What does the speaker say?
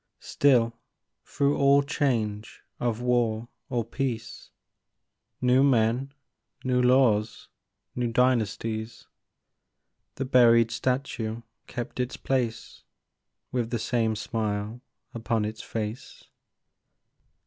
Still through all change of war or peace, New men, new laws, new dynasties, The buried statue kept its place, With the same smile upon its face.